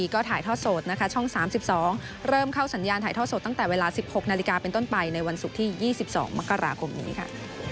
ก็ถ่ายทอดโสดนะคะช่องสามสิบสองเริ่มเข้าสัญญาณถ่ายทอดโสดตั้งแต่เวลาสิบหกนาฬิกาเป็นต้นไปในวันศุกร์ที่ยี่สิบสองมกรากลมนี้ค่ะ